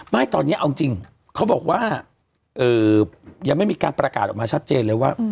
ไม่ตอนนี้เอาจริงเขาบอกว่ายังไม่มีการประกาศออกมาชัดเจนเลยว่า